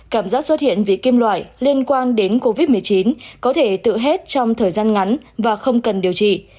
cảm giác xuất hiện vì kim loại liên quan đến covid một mươi chín có thể tự hết trong thời gian ngắn và không cần điều trị